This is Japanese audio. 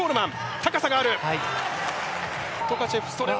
高さがある。